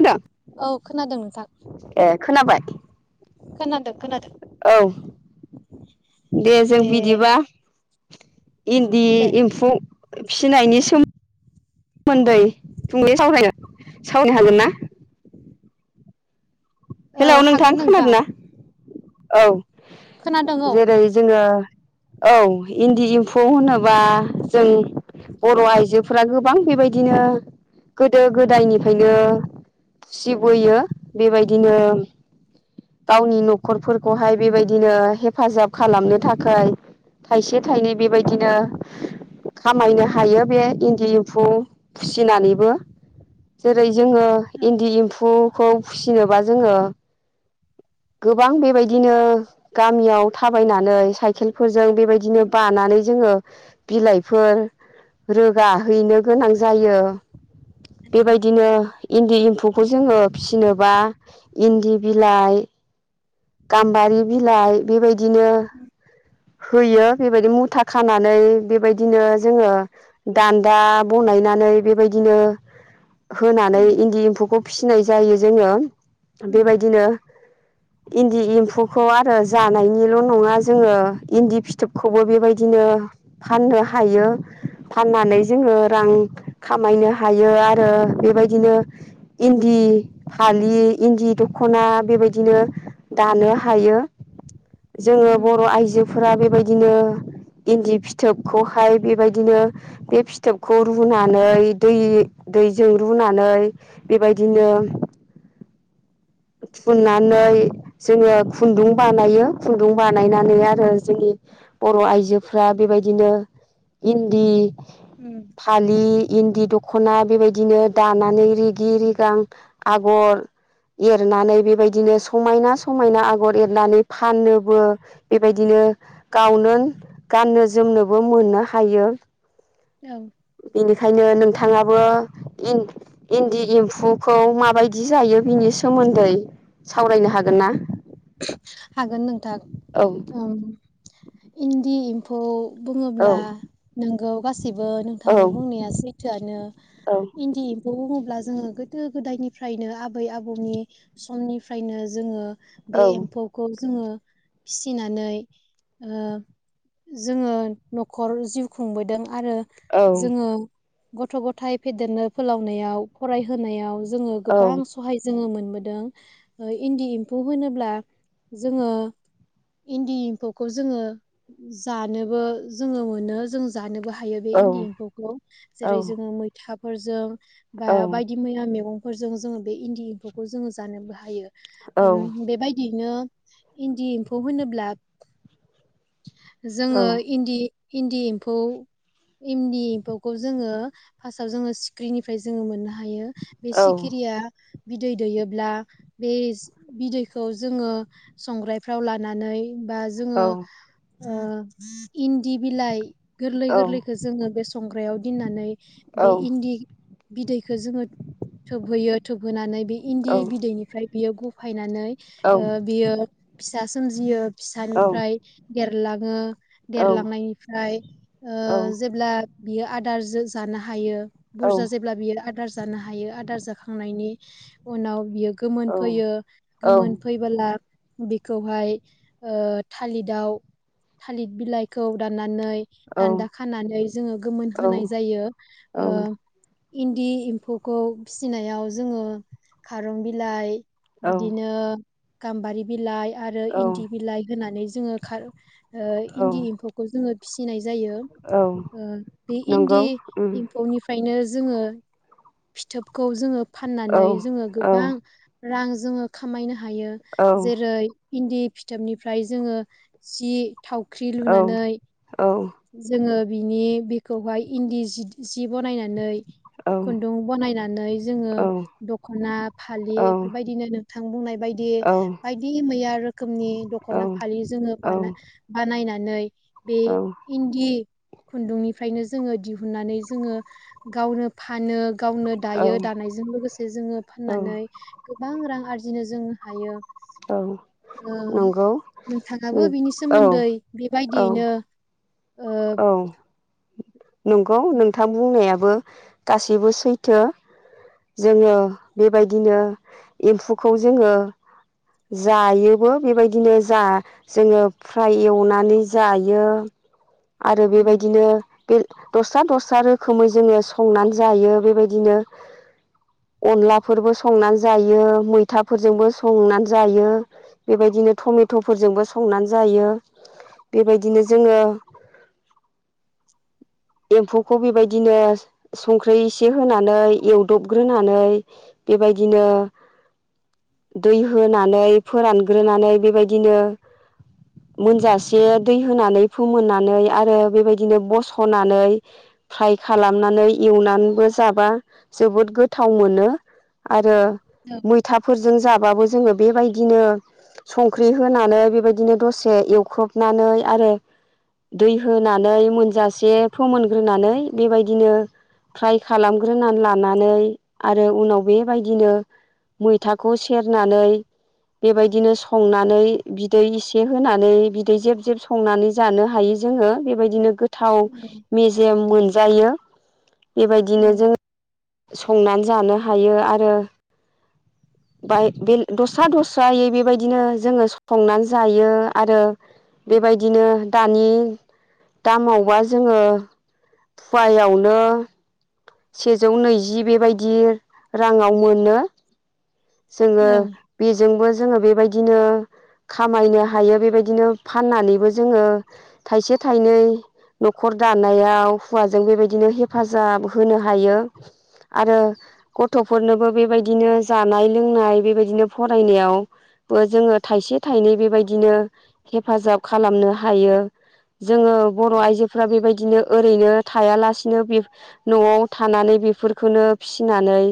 आदा औ खोनादों नोंथां ए खोनाबाय खोनादों खोनादों औ दे जों बिदिबा [unintelligible] इन्दि दे एम्फु फिनायनि सोमोन मोन्दै [unintelligible] सावरायनो हागोन ना? हेलौ औ नोंथां हागोन खोनादों ना? औ। खोनादों औ जेरै जोङो औ इन्दि एम्फौ होनोबा जों बर' आइजो फ्रा गोबां बेबायदिनो गोदो गोदायनिफायनो फिसिबोयो बेबायदिनो गावनि न 'ख खरफोरखौहाय बेबायदिनो हेफाजाब खालामनो थाखाय थाइसे थाइनै बेबायदिनो खामायनो हायो। बे इन्दि एम्फु फिसिनानैबो जेरै जोङो औ इन्दि एम्फुखौ फिनोबा जोङो गोबां बेबायदिनो गामियाव थाबायनानै साइकेल फोरजों बेबायदिनो उम बानानै जोङो बिलाइफोर रोगाहैनो गोनां जायो। नंगौ बेबायदिनो इन्दि म्फुखौ जोङो फिसिनोबा इन्दि बिलाइ गाम्बारि बिलाइ बेबायदिनो उम होयो बेबायदि मुथा खानानै बेबायदिनो जोङो दान्दा बनायनानै बेबायदिनो होनानै उम इन्दि एम्फौखौ फिसिनाय जायो जोङो उम बेबायदिनो इन्दि एम्फुखौ आरो जानायनिल' नङा जोङो इन्दि फिथोबखौबो बेबायदिनो फाननो हायो। फाननानै जोङो रां खामायनो हायो आरो बेबायदिनो इन्दि फालि इन्दि दख'ना बेबायदिनो दानो हायो। जोङो उम बर' आइजोफोरा बेबाय दिनो इन्दि फिथोबखौहाय बेबायदिनो बे फिथोबखौ रुनानै दै-दैजों रुनानै बेबायदिनो थुननानै जोङो खुन्दुं बानायो। खुन्दुं बानायनानै आरो जोंनि बर' आइजोफ्रा बेबायदिनो इन्दि उम फालि इन्दि दख ख'ना बेबायदिनो दानानै रिगि रिगां आगर एरनानै बेबायदिनो समायना समायना आगर एरनानै फाननोबो बेबायदिनो गावनो गाननो जोमनोबो मोननो हायो। औ बेनिखायनो नोंथ थाङाबो इन्दि एम्फुखौ माबायदि जायो बिनि सोमोन्दै सावरायनो हागोन ना? [unintelligible] हागोन नोंथां औ। इन्दि एम्फौ औ बुङोब्ला नों औ गा सिबो औ नोंथांनि बुंनाया सैथोआनो औ इन्दि एम्फौ बुङोब्ला जोङो गोदो गोदायनि फ्रायनो आबै आबौनि समनिफ्रायनो जोङो बे औ एम्फौखौ जोङो फिसिनानै ओ जोङो न'खर जिउ खुंबोदों। आरो औ जोङो गथ' गथाइ फेदेरनो फोलावनायाव फरायहोनायाव जोङो औ गोबां सहाय जोङो मोन बोदों इन्दि एम्फौ होनो ब्ला जोङो इन्दि एम्फौखौ जोङो जानोबो जोङो मोनो जों जानोबो हा थायो बे इन्दि एम्फौखौ जेरै जोङो मैथा फोरजों बा बायदि मैया मेगं फोरजों जोङो बे इन्दि एम्फौखौ जोङो जानोबो हायो। ओम बे बिनो इन्दि एम्फौ होनोब्ला जोङो इन्दि इन्दि एम्फौ इन्दि एम्फौखौ जोङो फार्स्टआव जोङो सिख्रिनिफ्राय जोङो मोननो हायो। बे औ सिखिरिया बिदै दैयोब्ला बे जि- बिदै खौ जोङो संग्रायफ्राव लानानै बा जोङो औ ओ इन्दि बिलाइ गोरलै औ गोरलैखो जोङो बे संग्रायाव दोननानै बे नंगौ इन्दि बिदै खो जोङो थोबहोयो थोबहोनानै बे इन्दि उम बिदैनिफ्राय बेयाव गु फायनानै औ ओ बियो [unintelligible] सोमजियो औ फिसानिफ्राय [unintelligible] लाङो औ देरलांनायनिफ्राय ओ औ जेब्ला बियो आदारजो जानो हायो। औ बुरजा जेब्ला बियो आदार जानो हायो आदार जाखा थांनायनि उनाव बियो गोमोन फैयो गोमोन फैबोला बेखौहाय थालिराव थालिर बिलाइखौ दाननानै दान्दा खानानै जोङो गोमोन होनाय जायो ओ इन्दि एम्फौखौ फिसिनायाव जोङो खारं बिलाइ बिदिनो गाम्बारि बिलाइ आरो इन्दि बिलाइ होनानै जोङो खार औ इन्दि एम्फौखौ जोङो फिसिनाय जा जायो औ बे इन्दि नंगौ एम्फौनिफ्रायनो जो जोङो फिथोबखौ जोङो औ फाननानै जोङो गोबां रां जोङो खामायनो हायो जेरै इन्दि फिथोबनिफ्राय जोङो जि थावख्रि लुनानै जोङो बिनि बेखौहाय इन्दि जिथ सि बनायनानै खुन्दुं बनायनानै जोङो दखना फालि बेफोरबायदिनो थां बुंनाय बायदि बायदि मैया रोखोमनि दख'ना फालि जोङो बानो बानायनाय नै बे इन्दि खुन्दुंनिफ्रायनो जोङो दिहुननानै जोङो गावनो फानो गावनो दायो दानायजों लोगोसे जोङो फाननानै गोबां रां आरज बिदिनो जों हायो। नोंथाङाबो बिनि सोमोन्दै औ बेबायदियैनो ओ औ। नोंगौ नोंथां बुंनायाबो गासैबो सैथो जोङो बेबायदिनो एम्फौखौ जोङो जायोबो बेबायदिनो जा जोङो फ्राय एवनानै जायो आरो उम बेबायदिनो बे दस्रा दस्रा रोखोमै जोङो संनानै जायो बेबायदिनो अनलाफोरबो संनानै जायो मैथाफोरजोंबो संनानै जायो बेबायदिनो टमेट'फोरजोंबो संनानै जायो बेबायदिनो जोङो एम्फौखौ बेबायदिनो संख्रि एसे होनानै एवदबग्रोनानै बेबायदिनो दै होनानै फोरानग्रोनानै बेबायदिनो मोनजासे दै होनानै फोमोननानै आरो बेबायदिनो बस सनानै फ्राय खालामनानै एवनानैबो जाबा जोबोद गोथाव मोनो आरो औ मैथाफोरजों जाब बाबो जोङो बेबायदिनो संख्रि होनानै बेबादिनो दसे एवख्रबनानै आरो दै होनानै मोनजा एसे फोमोनग्रोनानै बेबायदिनो फ्राय खालामग्रोनानै लानानै आरो उनाव बेबायदिनो मैथाखौ सेरनानै बेबायदिनो संनानै बिदै इसे होनानै बिदै जेब जेब संनानै जानो हायो जोङो बेबायदिनो गोथ थाव मेजेम मोन जायो। औ बेबायदिनो जोङो संनानै जानो हायो आरो बाय बे दस्रा दस्रायै बेबायदिनो जोङो संनानै जायो आरो बेबायदिनो दानि दामाव वा जोङो फुवायावनो सेजौ नैजि बेबायदि राङाव मोनो। जोङो औ बेजोंबो जोङो बेबायदिनो खामायनो हायो बेबायदिनो फाननानैबो जोङो थायसे थाइनै न'खर दानायाव हौवाजों बेबायदिनो हेफाजाब होनो हायो आरो गथ'फोरनोबो बेबायदिनो जानाय लोंनाय बेबायदिनो फरायनायावबो जोङो थाइसे थाइनै बेबायदिनो हेफाजाब खालामनो हायो। जोङो बर' औ आइजोफ्रा बेबायदि बिदिनो ओरैनो थायालासिनो बेफ न'आव थानानै बेफोरखौनो फिसिनानै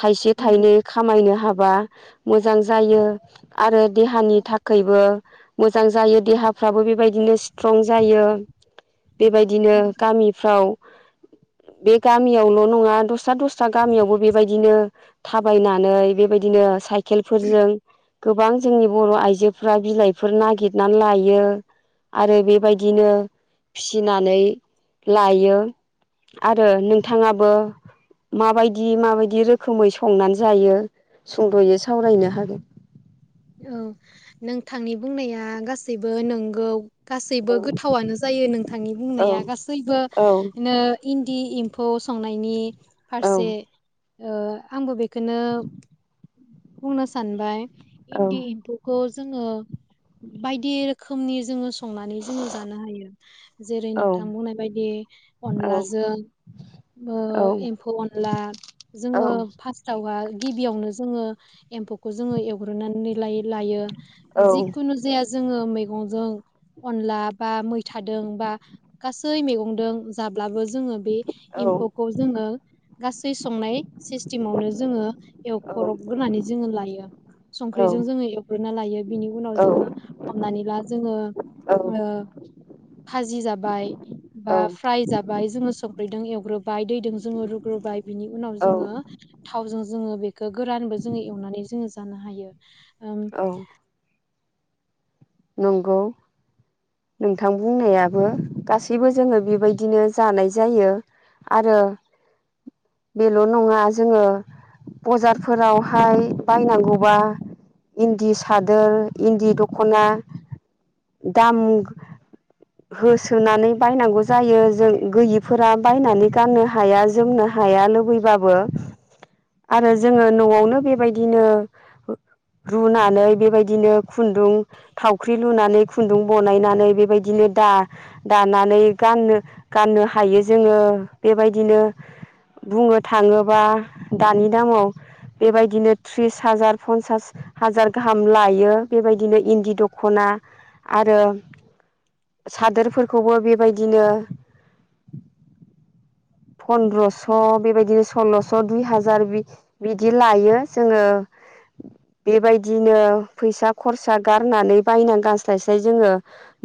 थाइसे नंगौ थाइनै खामायनो हाबा मोजां जायो आरो देहानि थाखायबो मोजां जायो देहाफ्राबो बेबायदिनो स्ट्रं जायो। बेबायदिनो उम गामिफ्राव बे गामियावल' नङा दस्रा दस्रा गामियावबो बेबायदिनो थाबायनानै बेबायदिनो साइकेलफोरजों गोबां जोंनि बर' आइजोफ्रा बिलाइफोर नागिरनानै लायो आरो बेबायदिनो फिसिनानै लायो। आरो नोंथाङाबो माबायदि माबायदि रोखोमै संनानै जायो। सुंदयै सावरायनो हागोन। औ नोंथांनि बुंनाया गासैबो नंगौ। औ गासैबो गोथावानो जायो नोंथांनि औ बुंनाया औ गासैबोनो इन्दि इमफ फौ संनायनि औ फारसे ओह आंबो बेखोनो बुंनो सानबाय। औ इन्दि एमफुखौ जोङो बायदि रोखोमनि जोङो स संनानै जोङो जानो हायो जेरै औ नोंथां बुंनाय बायदि औ अनलाजों ओ एम्फौ अनला जोङो फार्स्टावहा गिबियावनो जोङो एम्फौखौ जोङो एवग्रोनानै लायो लायो जिखुनु जाया जोङो मैगंजों अनला बा मैथादों बा गासै मैगंदों जाब्लाबो जोङो बे औ एम्फौखौ जोङो गासै संनाय सिस्टेमावनो जोङो एवखरब एवग्रोनानै जोङो लायो संख्रिजों जोङो एवग्रोना लायो बिनि उनाव जोङो हमनानै ला जोङो ओ भाजि जाबाय बा फ्राय जाबाय जोङो संख्रिजों एव ग्रोबाय दै- दों जोङो रुग्रोबाय बिनि उनाव औ जोङो थावजों जोङो बेखो - गोरानबो जोङो एवनानै जोङो जानो हायो। ओम औ नंगौ नोंथां बुंनायाबो गासैबो जोङो बेबायदिनो जानाय जायो आरो बेल' नङा जोङो बजारफोरावहाय बायनांगौबा इन्दि सादोर इन्दि दख'ना। दाम होसोनानै बायनांगौ जायो जों गैयिफोरा बायनानै गाननो हाया जोमनो हाया लुबैबाबो आरो जोङो न'आवनो बेबायदिनो रुनानै बेबायदिनो खुन्दुं थावख्रि लुनानै खुन्दुं बनायनानै बेबायदिनो दा दानानै गाननो गाननो हायो जोङो बेबायदिनो बुंनो थाङोबा दानि दामाव बेबायदिनो त्रिस हाजार पन्सास हाजार गाहाम लायो बेबायदिनो इन्दि दख'- ख'ना आरो सादोरफोरखौबो बेबायदिनो पन्द्रस' औ बेबायदिनो सल्ल'- स' दुइ हाजार बि बिदि लायो जोङो बेबायदिनो फैसा खरसा गारनानै बायनानै गानस्लायस्लाय जोङो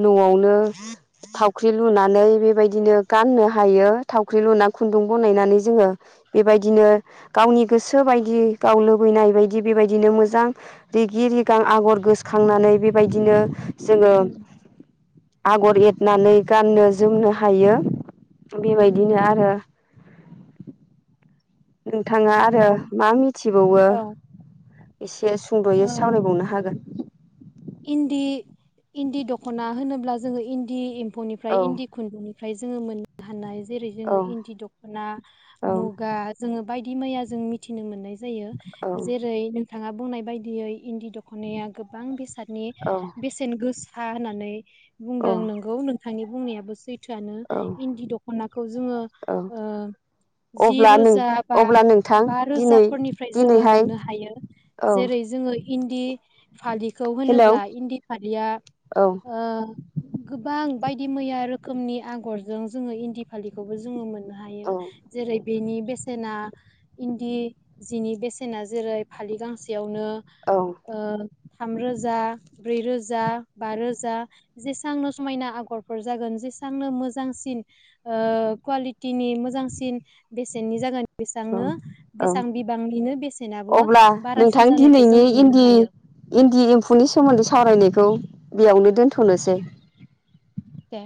न'आवनो थावख्रि लुनानै बेबायदिनो गाननो हायो थावख्रि लुना खुन्दुं बनायनानै जोङो बेबायदिनो गावनि गोसो बायदि गाव लुबैनाय बायदि बेबायदिनो मोजां रिगि रिगां आगर गोसोखांनानै बे- बायदिनो जोङो उम आगर एरनानै गाननो जोमनो हायो। बेबायदिनो नंगौ आरो नोंथाङा आरो नंगौ मा मिथिबावो औ एसे सुंद'यै औ सावरायबावनो हागोन। इन्दि इन्दि दख'ना होनोब्ला जोङो इन्दि एम'- फौनिफ्राय औ इन्दि खुन्दुंनि ओमफ्राय जोङो मोननो हानाय जेरै जोङो इन्दि दख'ना औ मुगा जोङो बायदि मैया जों मिथिनो मोननाय जा- औ जायो जेरै नों थाङा बुंनाय बायदियै इन्दि दख'नाया गोबां बेसाद नि औ बेसेन गोसा हा होननानै औ बुंदों नोंगौ नों- थांनि बुंनायाबो सैथ- थोयानो औ इन्दि दखनाखौ जोङो औ ओ जि अब्ला नों रोजा बा अब्ला नोंथां बा रोजा दिनै फोरनिफ्राय जोङो दिनैहाय मोननो हायो। औ जेरै जोङो इन्दि फालिखौ होनो- हेलौ ब्ला इन्दि फालिया औ ओ गोबां बायदि मैया रोखोमनि आगरजों जोङो इन्दि फालिखौबो जोङो हायो औ जेरै इन्दि नो औ ओ थामरोजा ब्रै रोजा बा रोजा जेसांनो समायना आगरफोर जागोन जेसेबांनो मोजांसिन ओ कुवालिटिनि मोजांसिन बेसेननि जागोन बेसांनो औ बेसेबां बिबांनिनो बेसेनाबो अब्ला नोंथां बारासिन जानायखौ जों दिनैनि मोननो इन्दि हायो इन्दि एम्फौनि सोमोन्दै सावरायनायखौ बेयावनो दोनथ'नोसै दे